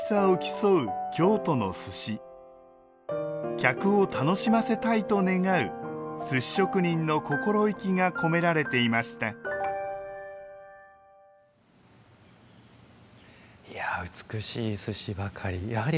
客を楽しませたいと願う寿司職人の心意気が込められていましたいや美しい寿司ばかり。